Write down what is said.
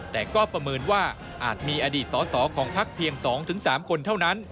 แต่ก็ประเมินว่าอาจมีอดีตสอสอของพักเพียง๒๓คนเท่านั้น